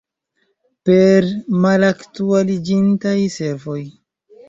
Per malaktualiĝintaj servoj?